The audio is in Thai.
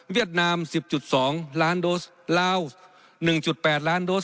เวียดนามสิบจุดสองล้านโดสลาวหนึ่งจุดแปดล้านโดส